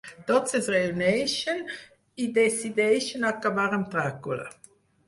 Tots es reuneixen i decideixen acabar amb Dràcula.